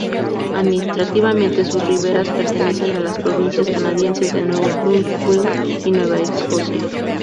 Administrativamente sus riberas pertenecen a las provincias canadienses de Nuevo Brunswick y Nueva Escocia.